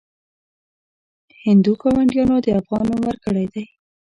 هندو ګاونډیانو د افغان نوم ورکړی دی.